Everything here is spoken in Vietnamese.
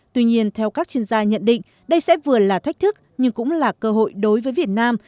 tuy nhiên theo các chuyên gia nhận định đây sẽ vừa là thách thức nhưng cũng là cơ hội đối với việt nam